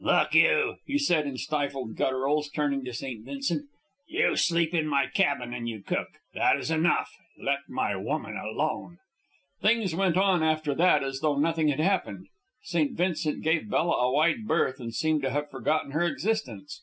"Look you," he said in stifled gutturals, turning to St. Vincent. "You sleep in my cabin and you cook. That is enough. Let my woman alone." Things went on after that as though nothing had happened; St. Vincent gave Bella a wide berth and seemed to have forgotten her existence.